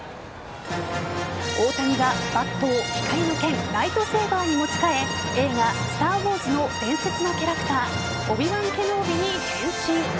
大谷がバットを、光の剣ライトセーバーに持ち替え映画「スター・ウォーズ」の伝説のキャラクターオビ＝ワン・ケノービに変身。